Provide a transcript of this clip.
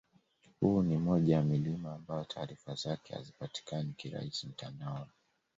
Huu ni moja ya milima ambayo taarifa zake hazipatikani kirahisi mtandaoni